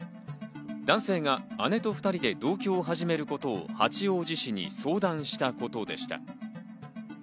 男性が姉と２人で同居を始めることを八王子市に相談したことでした。